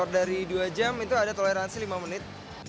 dari dua jam itu ada toleransi lima menit